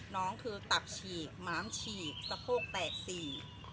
น้องคือตับฉีกหมามฉีกสะโพกแตกสี่